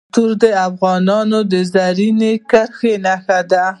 کلتور د افغانستان د زرغونتیا نښه ده.